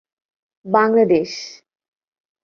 Bangladesh